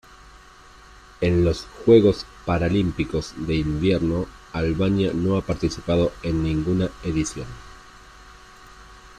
En los Juegos Paralímpicos de Invierno Albania no ha participado en ninguna edición.